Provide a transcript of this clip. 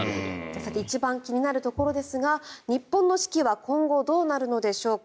一番気になるところですが日本の四季は今後どうなるのでしょうか。